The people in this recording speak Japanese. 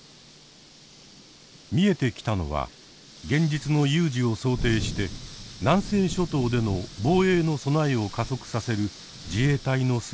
見えてきたのは現実の有事を想定して南西諸島での防衛の備えを加速させる自衛隊の姿でした。